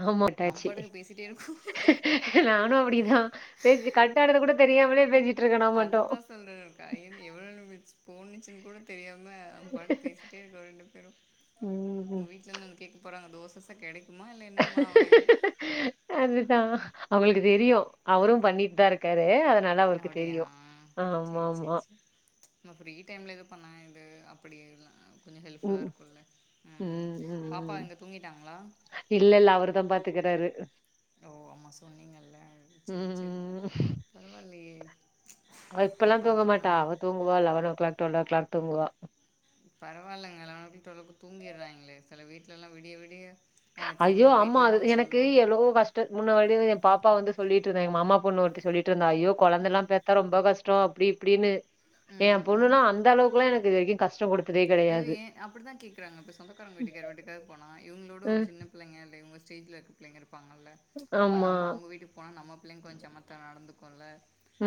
ஆ நம் மோட்டாச்சு பாட்டுக்கு பேசிட்டே இருக்கோ நானு அப்டிதா நேத்து கட்டானது கூட தெரியாமலே பேசிட் அததா சொல்றேன்கா என் எவ்வளவு மிச் போன்னுச்சுன்னு கூட தெரியாம நம் பாட்டுக்கு பேசிட்டே இருக்கோ ரெண்டு பேரு ம் உங்க வீட்லேந்து ஒன்னு கேக் போறாங்க தோசச கெடைக்குமா இல்ல என்ன அதுதா அவங்களுக்கு தெரியு அவரு பண்ணிட்டுதா இருக் காரு அதனால அவருக்கு அப்டியா தெரியு சேரி சேரி ஆமாமா சேரி நம்ம ஃப்ரீ டைம்ல எது பண்ணா இது அப்டியர்லா கொஞ்சொ ம் ஹெல்ப்ஃபுல்லா இருக்குல்ல அ பாப்பா எங்க தூங்கிட்டாங்ளா இல்லல்ல அவருதா பாத்துக்குறாரு ஓ ஆமா சொன்னீங்கல்ல அது சர் சர் ம் பரவால்லையே பாத்துக்குறாங்கள தூங்வா eleven o'clock twelve o'clock தூங்குவா பரவால்லங்க நம்ம வீட்டுல ஓரளவுக்கு தூங்கியறாங்களே சில வீட்டுலல்லா விடிய விடிய எனக்கு ஐயோ தெரிஞ்சவங்க ஆமா அது வீட்டிலலாம் அவங்க எனக்கு சொல்லுவாங்க எவ்ளோவோ வஷ் ட் முன்னாடி எ பாப்பா வந்து சொல்லிட்டுருந்தா எங் மாமா பொண்ணு ஒருத்தி சொல்லிட்ருந்தா ஐயோ கொழந்தெல்லா ம் பெக் பெ ரொம்ப கஷ்டோ அப்டி இப்டினு எ ம் ம் பொண்ணுனா அந்த அளவுக்குல்லா எனக்கு இதுவரைக்கி கஷ்டொ குடுத் ஐயோ ஏ அப்டிதா கேக்குறாங்க இப்ப சொந்தக்காரங்க வீட்டுக்கு யார் வீட்டுக்கா போனா இவங்களோட ஒரு ம். சின்ன பிள்ளைங்க அப்டிங்கும்போ ஸ்டேஜ்ல இருக்க பிள்ளைங்க இருப்பாங்கல அப்ப ஆமா. நம்ம அவங்க வீட்டு போனா நம்ம பிள்ளைங்க கொஞ் சமத்தா நடந்துக்குல்ல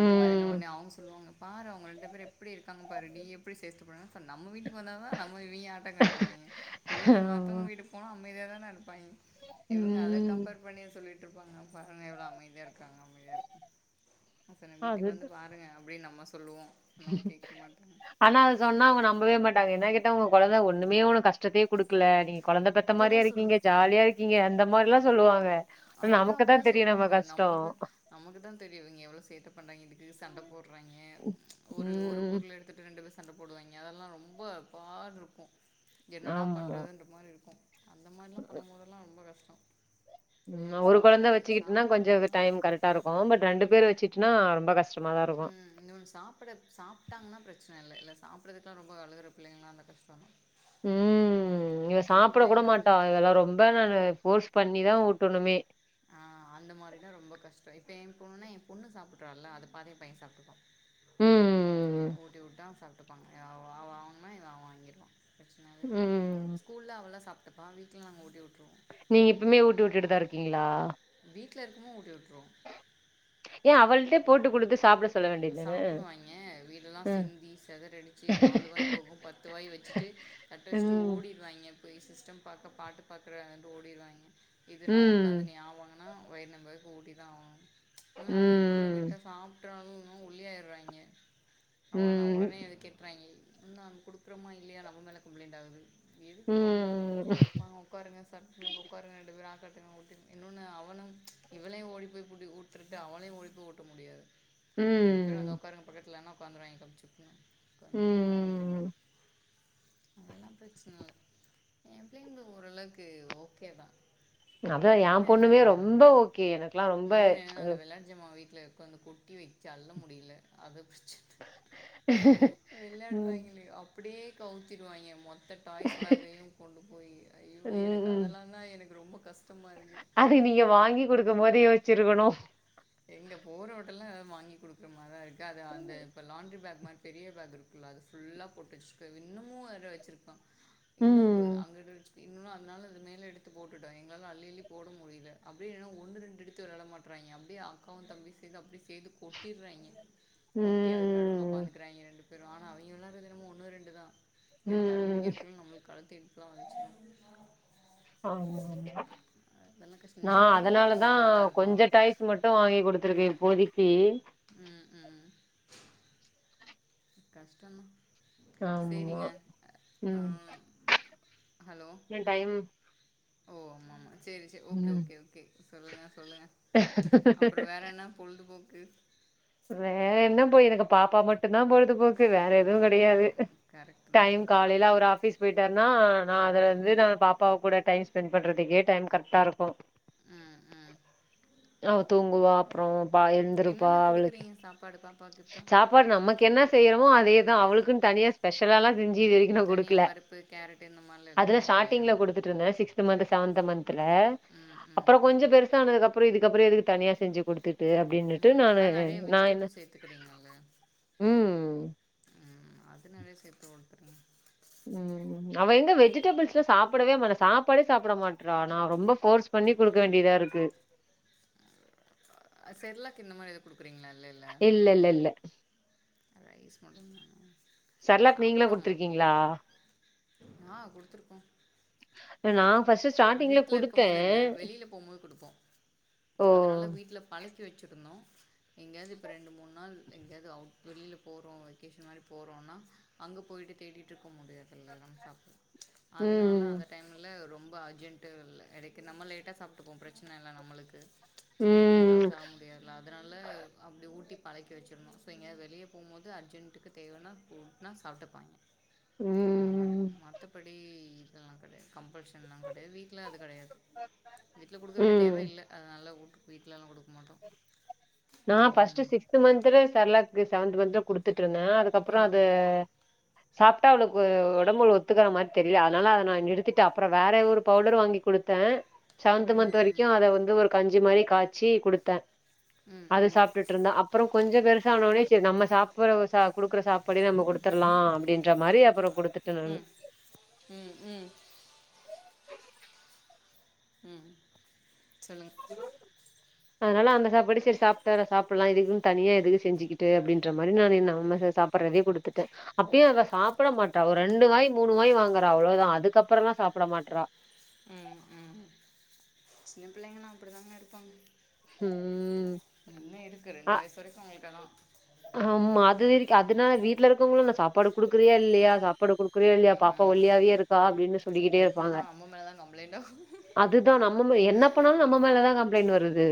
அந்த மாரிதா ஒடனே அவங்க சொல்லுவாங்க பார அவங்க ரெண்டு பேர் எப்டி இருக்காங்கன் பாரு நீ எப்டி சேட்ட பண்ற அப்ப நம்ம வீட்டுக் கு வந்தாதா நம்ம இவிங்க ஆட்டோ காட்டுவாங்கே இவிங்க ஆமா. மத்தவங்க வீட்டு போனா அமைதியா தானே இருப்பாய்ங்கே இவங்க அத ம். கம்பேர் பண்ணிய சொல்லிட்டுருப்பாங்க கொழந்த எவ்ளோ அமைதியா இருக்காங்க அமைதியா இருக்கா நா சொன்ன வீட்டுக்கு வந்து அதுதான். பாருங்க அப்டின்னு நம்ம சொல்லுவோ ஆனா கேக்க மாட்டாங்க ஆனா அது சொன்னா அவங்க நம்பவே மாட்டாங்க என்ன கேட்ட ஒங்க கொழந்த ஒன்னுமே ஒனக் கஷ்டத்தையே குடுக் குல நீங்க கொழந்த பெத்த அதுதா மாரியா சொல்லுங்க இருக்கீங்க ஜாலியா இருக்கீங்க அந்த மாரில்லா சொல்லுவாங்க ஆனா அதுதா நமக்கு அப்டிதா தான் தெரியும் நம்ம சொல்லுவாங்க கஷ்டம். நம்மளுக்கு நமக்குதா தெரியு இவிங்க எவ்ளோ சேட்ட பண்றாங்க இதுக்கு சண்ட போடுறாங்கே ஒரு ஒரு ம். பொருள எடுத்துட்டு ரெண்டு பேர் ச சண்ட போடுவாங்கே அதெல்லா ரொம்ப அப்பான் ருக்கு என்னடா ஆமா. பண்றதுன்ருக் அந்த மாரி இருக்கு அந்த மாரில்லா பண்ணும்போதெல்லா ரொம்ப கஷ்டோ ம் இன்னொன்னு ஒரு கொழந்த சாப்புட்றதுக்கு வச்சுக்கிட்டுன்னா கொஞ்சொ க சாப்புடுவாங்க டைம் கரெக் டாருக்கு பட் ரெண்டு பேர் வச்சுட்டுன்னா ரொம்ப கஷ்டமாதா இருக்கு இன்னோன் சாப்புட சாப்ட்டாங்கன்னா பிரச்சன இல்ல இல்ல சாப்புறதுக்குலா ரொம்ப அழுகுற பிள்ளைங்களா இருந்தா கஷ்டோந்தா ம் இவ ஏ சாப்ட கூட பிள்ளைங்க வந்து மாட்டா இவெளா ரொம்ப நானு ஃபோர்ஸ் பண்ணிதா ஊட்டணுமே ஆ அந்த மாரினா ரொம்ப கஷ்டொ இப்போ என் பொண்ணு எ பொண்ணு சாப்புடுறால அத பாதே எ பைய சாப்ட்டுக்வா ம் ஊட்டி வுட்டா அவ சாப்ட்டுப்பாங்க ஏ வ வாங்குனா இவ வாங்கிருவா பிரச்சன அது ம் ஸ்கூல்ல அவளா சாப்ட்டுப்பா வீட்ல நாங்க ஊட்டி வுட்ருவோ நீங்க இப்பமே ஊட்டி விட்டுட்டுதா இருக்கீங்களா வீட்ல இருக்குமோ ஊட்டி வுட்றோ ஏ அவள்ட்டே போட்டு குடுத்து சாப்ட சொல்ல வேண்டியதான சாப்டுவாய்ங்க வீடெல்லா ம் சிந்தி செதறடி ச்சி நாலு வாய்ப் போகு பத்து வாய் வெச்சிட்டு தட்ட வெச்ட்டு ம் ஓடிடுவாய்ங்கப் போய் சிஸ்டம் பாக்க பாட்டுப் பாக்ரேன்டு ஓடிருவாய்ங்க இதுனா ஒக்காந்து ம் நீ ஆ வாங்கனா வயிர் நம்ப ஊட்டிதா ஆவுனு இன்னு நா எப்புல்லா விட் ம் ட்ட சாப்ட்ராலு வுனு ஒல்லியாயிர்றாய்ங்க அவ்ளோதா ம் ஒடனே அதுக் கெட்றாய்ங்கே என்னான் குடுக்றோமா இல்லியா நம்ம மேலே கம்ப்ளைண்ட்டாவுது எதுக்க வம்பு ம் வாங்க ஒக் வுக்காருங்க சட்ருங்க வுக்காருங்க ரெண்டு பேரு ஆ காட்டுங்க ஊட்டிர் இன்னோனு அவனுங் இவளே ஓடி போய் புடி ஊட் டிருட்டு அவளையு ஓடி போய் ஊட்ட முடியாது ரெண்டு பேரு வந்து ம் ஒக்காருங்க பக்கத்லனா ஒக்காந்துருவாய்ங்க கப்சுப்னு கன்னுவுட்டிர்னா ஊட்டிர்வே ம் அதெல்லாம் பிரச்சனல்ல எம் பிளைங்ளுக் ஒரளவுக்கு ஓகேதா அதா எம் பொண்ணுமே ரொம்ப ஓகே எனக்லா ரொம்ப விளையாட்டு ஞ்சமா வீட்ல இருக்கு அந்த கொட்டி வெச்சு அல்ல முடில அதுப் பிரச்ச ம். விளாடுவாய்ங்கலி அப்புடியே கவுத்திடுவாய்ங்க மொத்தட் டாய்ஸ் பேகையு கொண்டு போயி ஐயோ எனக்கு ம். அதலாந்தா எனக்கு ரொம்ப கஷ்டமா இருகு அதுகு நீங்க வாங்கி குடுக்கும் போது யோச்சுருகணு எங்க போறோட்டலாம் வாங்கி் குடுக்ற மார்தா இருக்கு அது அந்த இப்ப லாண்ட்ரி பேக் மாரி பெரிய பேக் இருக்குல்ல அது ஃபுல்லா போட்டு வெச்சிருக்கு இன்னமு வேற வெச்சிருக்கா இன்னு போ ம். அங்கட வெச்சு இன்னு அதனால அது மேல எடுத்து போட்டுட்டோ எங்ளால அள்ளி அள்ளி போட முடில அப்டியே என்னனா ஒன்னு ரெண்டு எடுத்து விளாட மாட்றாய்ங்க அப் டே அக்காவு தம்பியு சேந்து அப்டி சேந்து கொட்டிர்றாய்ங்க கொட்டி அதுக்கு நடுவுல ஒக் ம். உக்காந்துக்றாய்ங்க ரெண்டு பேரு ஆன அவிங்க விளார்றது எனமோ ஒன்னு ரெண்டுதா எடுத்து அள்ளி ம். வெக்கிறக்குள்ள நம்ளுக் கழுத்து இடுப்லா வலிச்சிடு ஆமா ஆமா அதெல்லாம் கஷ்டம் நா இன்னும் இனிமேல் தான் அதனாலதா உங்களுக்கு அதெல்லாம் இருக்கும் கொஞ்சோ டாய்ஸ் ஸ் மட்டு வாங்கி குடுத்துருக்க இப்போதிக்கி ம் ம் கஷ்டந்தா ஆமா. சேரிங்க அ ஆ ம். ஹலோ இன்னும் டைம் ஓ ஆமா ஆமா சேரி சே ஓகே ம். ஓகே ஓகே சொல்லுங்க சொல்லுங்க அப்றோ வேற என்ன பொழுதுபோக்கு வேற என்ன போய் எனக்கு பாப்பா மட்டுந்தா பொழுது போக் கு வேற எதுவு கெடையாது கரெக்ட் தான் டைம் இப்போ காலைல ஆனால் அவுரு ஆஃபிஸ் போயிட்டார்னா நா அதுலந்து நா பாப்பாவ கூட டைம் ஸ்பெண்ட் பண்றதுக்கே டைம் கர்ட்டா இருக்கு ம் ம் அவ தூங்குவா அப்றோ என்னென்ன குடுக்றீங்க சாப்பாடு பாப்பாக்குத் சாப்பாடு நமக்கு என்ன செய்யறமோ அதேதா அவுளுக்குன் தனியா ஸ்பெஷலாலா செஞ்சி இது வரிக் கி நா குடுக்ல தனியாக பருப்பு கேரட் இந்த மாதிரிலாம் எதுவும் அதுலா கொடுக்கலையா ஸ்டார்டிங்ல குடுத்துட் ட்ருந்தே சிக்ஸ்த்து மந்த்து செவந்த்து மந்த்துல ம் ம் அப்பறோ கொஞ்ச பெருசானதுக்கப்பறோ இதுக்கப்பறோ எதுக்குத் தனியா செஞ்சு குடுத்துட்டு அப்டினுட்டு நானு நா என்ன டேபிள் சேத்துகிறீங்கல்ல ம் ம் அது நெறைய சேத்து ஒட்த்துருங்க ம் அவெ எங்க வெஜிடெபிள்ஸுல சாப்படவே மாடா சாப்பாடே சாப்ட மாட்ரா நா ரொம்ப ஃபோர்ஸ் பண்ணி குடுக்க வேண்டியதாருக்கு அ செர்லாக்கு இந்த மாரி எதாக் குடுக்குறீங்ளா இல்லே இல்ல இல்ல இல்ல இல்ல ரைஸ் மட்டு தானா செர்லாக் நீங்களா சாப்ட்ருவாங்க அப்போ குடுத்துருக்கீங்களா ஆ கொடுத்துருக்கோ நா ஃபர்ஸ்ட் ஸ்டா வீட்டில் இருக்கும் போது இல்ல வெளியில போகும் போது கொடுப்போ ஓ அதனால வீட்டில பழக்கி வச்சிருந்தோ எங்கயாவது இப்போ ரெண்டு மூணு நாள் எங்கயாவது அவுட் வெளியில் போகிறோ வெக்கேஷன் மாதிரி போறோன்னா அங்க போயிட்டு தேடிட்டு இருக்க முடியாதுல நம் ஷாப் அதனால ம் அந்த டைம்ல ரொம்ப அர்ஜென்ட்டுல்ல எடைக்கு நம்ம லேட்டா சாப்ட்டுப்போ பிரச்சன இல்ல நம்மளுக்கு சின்ன பிள்ளைங்க அப்டி ம் சாப்ட மு யாதுல்ல அதனாலா அப்டி ஊட்டி பழக்கி வச்சிருந்தோ ஸோ எங்கயாது வெளிய போம்போது அர்ஜெண்ட்டுக்கு தேவன்னா ஃபுட் ன்னா சாப்ட்டுப்பாய்ங் அந்த மாரி ம் மத்தப்படி இதல்லா கெடையாது கம்பல்ஷன் வீட்ல அது கெடையாது வீட்ல குடுக்க ம் வேண்டிய ம் தேவ இல்ல அதனால ஊட் வீட்லலா குடுக்க மாட்டோ நா ஃபர்ஸ்ட்டு சிக்ஸ்த் மந்த்துல சரலாக்கு செவன்த் மந்த்துல குடுத்துட்டு இருந்த அதுக்கப்றோ ம் அது ம் சாப்ட்டா அவளுக்கு அது ஒடம்புல ஒத்துக்ற மாரி தெரில அதனால அத நா நிறுத்திட்ட அப்றோ வேற ஒரு பவுடர் வாங்கி குடு த்த செவன்த் ம் மந்த் வரைக்கு ம் அத வந்து ஒரு கஞ்சி மாரி காச்சி குடுத்த ம் அது ம் சாப்ட்ட்டு இருந்தா அப்றோ கொஞ்சோ பெருசான வொன்னே சரி நம்ம சாப் பற சாப் குடுக்குற சாப்பாடே நம்ம குடுத்துர்லா அப்டின்ற மாரி அப்பறோ குடுத்துட்ட நானு ம் ம் ம் சொல்லுங்க ஹலோ அதனால அந்த சாப்பாடே சேரி சாப்ட்டற சாப்புல்லா இதுக்குன்னு தனியா எதுக்கு செஞ்சிக்கிட்டு அப்டின்ற மாரி நானு நம்ம ச சாப் அப்பற அதே குடுத்துட்ட அப்பயு அவ சாப்டமாட்டா ஒரு ரெண்டு வாய் மூணு வாய் வாங்குறா அவ்ளோ தா அதுக்கப்றல்லா சாப்ட மாட்றா ம் ம் சின்ன பிள்ளைங்ல்லா அப்டிதாங்க இருப்பாங்க ம் இன்னோ இருக்கு அ ரெண்டு வயசு வரைக்கு உங்களுக்கு அதா ஆமா அது வரைக்கு அதுனால வீட்ல இருக்கவங்களு இன்ன சாப்பாடு குடுக்குறியா இல்லயா சா ப்பாடு குடுக்றியா இல்லயா பாப்பா ம் ஒல்லியாவே இருக்கா அப்டின்னு சொல்லிக்கிட்டே இது இப்படி இருப்பாங்க தான் அம்மா மேலே தான் கம்ப்ளைண்ட் ஆகும் அதுதா நம்ம மே என்ன பண்ணாலு நம்ம மேலதா கம்ப்ளைண்ட் வருது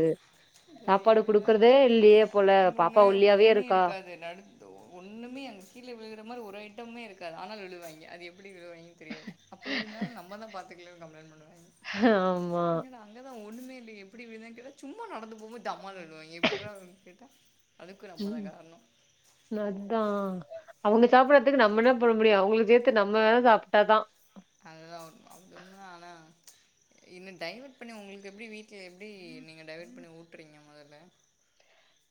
இது சாப்பாடு என்னங்க குடுக்குறதே இல்லையே போல பாப்பா இன்னொன்னு ஒல்லியாவே ஒன்னுமே இருக்கா இருக்காது நடு ஒன்னுமே அங்க கீழ விழுகுற மாரி ஒரு ஐட்டமுமே இருக்காது ஆனாலு விழுவாங்க அது எ ப்டி விழுவாய்ங்க தெரியாது அப்ப விழுந்தாலு நம்ம தா பாத்துக்கலன்னு கம்ப்ளைண்ட் பண்ணுவாங்க ஆமா அங்கதா ஒன்னுமே இல்லயே எப்டி விழுந்தங் கேட்டா சும்மா நடந்து போம் போது டமால்னு விழுவாய்ங்க எப்புறா விழு கேட்டா அதுக்கு நம்ப தா காரணோ நத்தா அவுங்க சாப்டாததுக்கு நம்ம என்ன பண்ண முடியு அவுங்ளுக்கு சேத்து நம்ம வேணா சாப்ட்டாதா அதுதா உண்ம அவ சொன்னா ஆனா என்ன டைவர்ட் பண்ணி உங்களுக்கு எப்டி வீ ட்ல எப்டி நீங்க டைவர்ட் பண்ணி ஊட்றீங்க மொதல்ல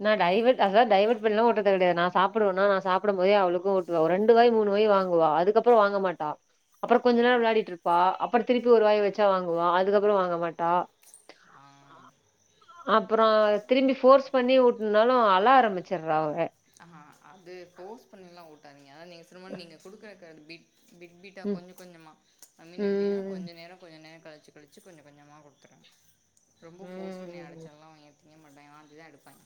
நா டைவர்ட் அதா டைவர்ட் பண்ணில்லா ஊட்றது கெடையாது நா சாப்டுவனா நா சாப்டும் போதே அவளுக்கு ஊட் ஒரு ரெண்டு வாய் மூணு வாய் வாங்குவா அதுக்கப்றோ வாங்க மாட்டா அப்றோ கொஞ்ச ஓ நேர விளாடிட்டு இருப்பா அப்றோ திருப்பி ஒரு வாய் வெச்சா வாங்குவா அதுக்கப்றோ வாங்க மாட்டா அ அப்பறோ திரும்பி ஃபோர்ஸ் பண்ணி ஊட்டுனாலு அழ ஆரம்பிச்சிறா அவ அஹா அது ஃபோர்ஸ் பண்ணிலா ஊட்டாதீங்க அதா நீங்க சொன்னமாரி நீங்க குடுக்கற அந்த பிட் பிட் பிட் டா ம் கொஞ்ச கொஞ்சமா ஐ மீன் எப்டின்னா ம் கொஞ்ச நேர கொஞ்ச நேர கழிச்சி கழச்சி கொஞ்ச கொஞ்சமா குடுத்துருங்க ரொம்ப ஃபோர்ஸ் பண்ணி ம் அடிச்சல்லா அவைங்க திங்க மாட்டாய்ங்க வாந்தி தா எடுப்பாய்ங்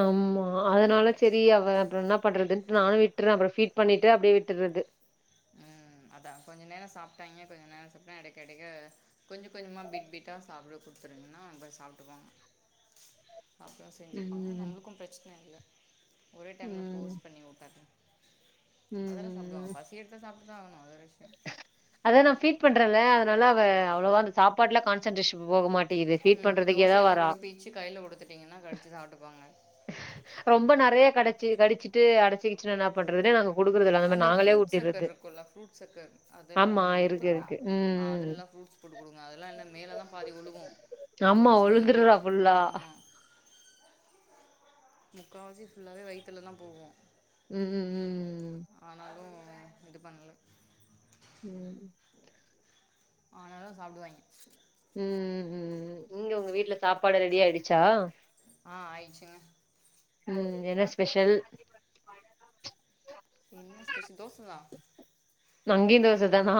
ஆம்மா அதனால செரி அவ அப்றோ இனா பண்றதுன்ட்டு நானு விட்டுற அப்றோ ஃபீட் பண்ணிட்டு அப்டியே விட்டுறது ம் அதா கொஞ்ச நேரோ சாப்ட்டாய்ங்க கொஞ்ச நேரோ சாப்ட்டா அடைக்க அடைக்க கொஞ்ச கொஞ்சமா பிட் பிட்டா சாப்ட குடுத்துருங்கனா அப்டே சாப்ட்டுகுவாங்க சாப்டவு செஞ்சிப்பாங்க ம் நம்ளுக்கு பிரச்சன இல்ல ஒரே டைம்ல ஃபோர்ஸ் ம் பண்ணி ஊட்டாத ம் அதெல்லா சாப்டுவாங்க பசி பசி எடுத்தா சாப்ட்டு தா ஆவுனு அது வேற விஷ்யோ அதா நா ஃபீட் பண்றல அதனால அவ அவ்ளவா அந்த சாப்பாட்ல கான்சன்ட்ரேஷன் போக மாட் இது ஃபீட் பண்றதுக்கே தா வரா ச்சு கையில குடுத்துட்டீங்னா கடிச்சி சாப்ட்டுவாங்க ரொம்ப நிறைய கடைச்சி கடிச்சிட்டு அடச்சிகிச்சினா எனாப் ம் அந்த ஃப்ரூட் சக்கர் இருக்குல்லா ஃப்ரூட் சக்கர் அதெல்லா ஆமா வாங்கி இருக்கு, ஆ. குடுத்தீங்ளா இருக்கு. ஆ ம். அதெலல்லா ஃப்ரூட்ஸ் போட்டு குடுங்க அதெல்லா இல்ல மேல தா பாதி ஒழுகு முக்கா ஆமா வாசி இமைக்கி உழுந்துர்றா ஃபுல்லா. ஆமா முக்காவாசி ஃபுல்லாவே வயித்துல தா போவு ம் ம் ம்ம் ஆனாலும் இது பண்ல ம் ஆனாலு சாப்புடுவாங்கே ம் ம்ம்ம் எங்க உங்க வீட்ல சாப்பாடு ரெடி ஆயிடிச்சா ஆ ஆயிட்சிங்க ம் என்ன ஸ்பெஷல் என்ன ஸ்பெஷல் தோச தா அங்கயு தோச தானா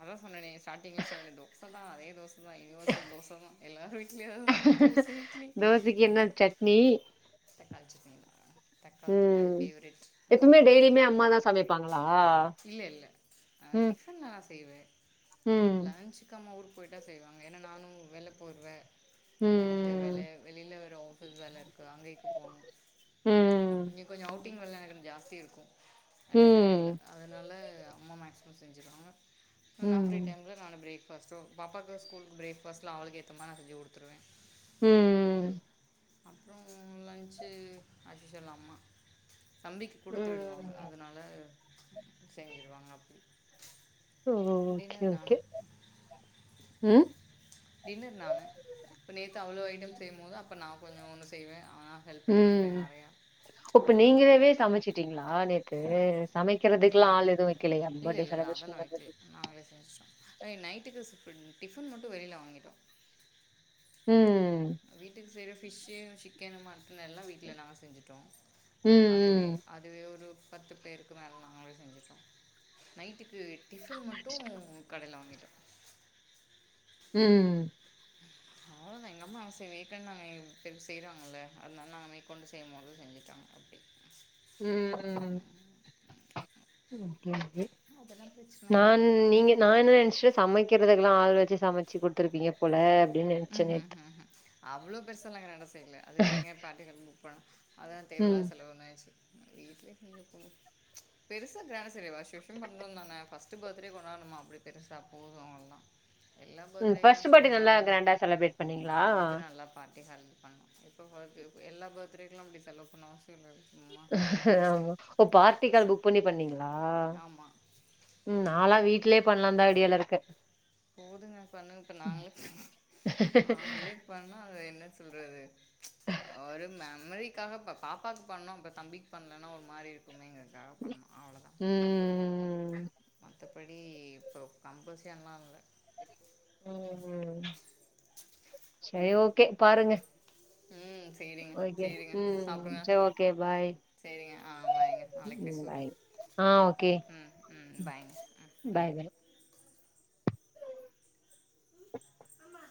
அதான் சொன்னே ஸ்டாடிங் ல சொன்னனே தோச தா அதே தோ ஆமா ன்னோசொல் தேச தா எல்லாரு வீட்லயு தோச இட்லி தோசைக்கு என்ன சட்னி? தக்காளி சட்னி த தக்காளிக் அது ம். ஃபேவரேட் எப்பவுமே அதனால அத டெய்லியுமே மாத் அம்மா தான் சமைப்பாங்களா? இல்லல்ல அ ம். டிஃபன் நா செய்வ ம். லன்ச்சிக் அம்மா ஊரு போயிட்டா செய்வாங்க ஏனா நானு வேல போருவ அத்து வெள ம் வெளியில வேற ஆஃபிஸ் வேல இருக்கு அங்கைக்கு போணு ம் இன்னக் கொஞ்ச அவுட் ட்டிங் வேள எனக்கு ஜாஸ்தி இருக்கு எடைல எடைல ம் அதுனால அம்மா மேக்சிமம் செஞ்சிருவாங்க நா ஃப்ரீ ம் டைம்ல் நா பிரேக்ஃபாஸ்டு பாப்பாக்கு ஸ்கூலு பிரேக்ஃபாஸ்லா அவ்ளுக்கு ஏத்தமாரி அறிஞ்ஜி குடுத்துருவ ம் அப்புரோ லன்ச்சு ஆஸ்விஸ்வல் அம்மா தம்பிக்கி ம் குடுத்து விடுவாங்க அதனால செஞ்சிருவாங்க அப்டி ஓகே டின்னர் நானு ஓகே ம் டின்னர் நானு அப்ப நேத்து அவ்ளோ ஐட்டம் செய்யும்போது அப்ப நா கொஞ்ச ஒன்னு செய்வ ஆ ம் ஒப் மாதிரி நீங்களாவே அப்~ சமச்சிட்டீங்ளா நேத்து புரியல சமைக்கறதுக்குல்லா ஆள் எதுவு வக்கலயா இல்லை படே இல்லை இல்லை செலப்ரேஷன் அதெல்லாம் வைக்கல பண்றதுக் நாங்களே செஞ்சிடோ அ நைட்டுக்கு டிஃபன் மட்டும் வெளில வாங்கிடோ ம் வீட்டுக்கு செய்யற ஃபிஷ் சிக்கனு மட்டன் எல்லா வீட்ல நா செஞ்சிடோ அதுவே ம் அதுவே ஒரு பத்து பேருக்கு மேல நாங்களே செஞ்சுட்டோ நைட்டுக்கு டிஃபன் மட்டு கடையில வாங்கிட்டோ ம் அவ்வளோ தா எங்க அம்மா ஆச வீக்கண்ட் நாங்க செய்றாங்கல்ல அதனால நாங்க மேற்கொண்டு செய்யும் போது செஞ்சுட்டோ அப்டே ம் ஓகே ஓகே அதெல்லாம் பிரச்சனை இல்லை நான் எங்கள் வீட்டில் நீங்க நா என்ன நெனைச்சிட்ட சமைக்கிறதுக்கெல்லா ஆள் வச்சு சமச்சு கொடுத்துருப்பீங்க போல அப்டின்னு நெனைச்சே நேத்து அவ்வளோ பெருசாலா நாங்க இந் நட செய்ல அதுக்கு எங்கயோ பாட்டி க புக் பண்ணோ அதுதா ம் தேவையில்லாசெலவுன் ஆயிச்சு வீட்லே செஞ்சுப்போ பெருசா கிரான்டா செய்ல வர்ஷ வர்ஷ பண்றோ தானே ஃபஸ்ட்டு பர்த்டே கொண்டாடுனோமா அப்டி பெருசா போது அதுல்லா ம் ஃபஸ்ட்டு பர்ட்டே நல்லா கிராண்டா செலப்ரேட் ஆ அது நல்லா பார்ட்டி ஹால் பண்லா இப்ப [unintelligible] எல்லா பர்த்டேக்குலா அப்டி செலவு பண்ணனு அவசிய இல்லல்ல ஆமா ஓ பார்ட்டி ஹால் புக் பண்ணி பண்ணீங்களா ஆமா. ம் நாளா வீட்லே பண்லான் தா ஐடியால இருக்க போதுங்க பண்ணுங்க இப்ப நாங்களா நாங்களே பண்ணா அத என்ன சொல்றது ஒரு மெமரிக்காக இப்ப பாப்பாக்கு பண்ணோ இப்ப தம்பிக்கு பண்லன்னா ஒரு மாரி இருக்குமேங்கறக்காக பண்ணோ அவ்வளதா ம் ம் ம் மத்தபடி இப்போ கம்பல்சியன்லா இல்ல ம் சேரி ஓகே பாருங்க ம் சேரிங்க ஓகே சேரிங்க ம் சாப்புடுங்க சரி ஓகே பாய் சேரிங்க ஆ வைங்க நாளைக்கு ம் பேசுவோ பாய் ஆ ஓகே ம் ம் பாய்ங்க ம் ம் பாய் அம்மா